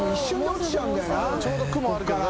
ちょうど雲あるから。